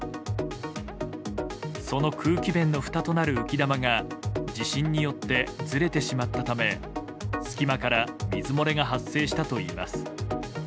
その空気弁のふたとなる浮き球が地震によってずれてしまったため隙間から水漏れが発生したといいます。